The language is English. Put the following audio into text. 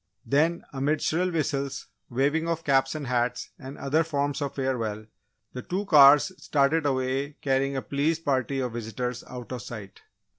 Then, amid shrill whistles, waving of caps and hats, and other forms of farewell, the two cars started away carrying a pleased party of visitors out of sight.